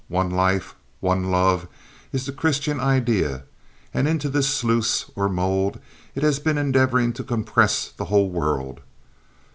One life, one love, is the Christian idea, and into this sluice or mold it has been endeavoring to compress the whole world.